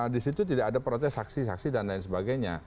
di situ tidak ada protes saksi saksi dan lain sebagainya